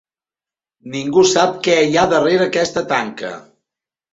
Ningú sap què hi ha darrere aquesta tanca.